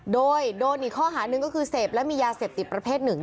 โดยโดนอีกข้อหาหนึ่งก็คือเสพและมียาเสพติดประเภทหนึ่ง